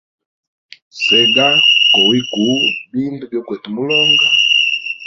Sega kowi kuu bindu byokwete mulonga.